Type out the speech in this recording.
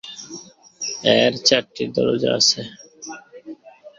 এর চারটি দরজা আছে।